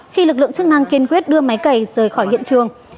khi lực lượng chức năng kiên quyết đưa máy cầy rời khỏi hiện trường